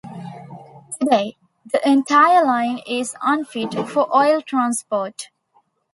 Today, the entire line is unfit for oil transport.